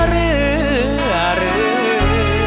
เหลือเหลือ